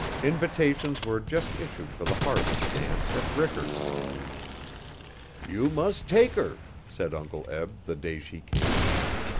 Invitations were just issued for the harvest dance at Rickard's. 'You mus' take 'er,' said Uncle Eb, the day she came.